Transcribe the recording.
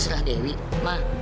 ya wajar sih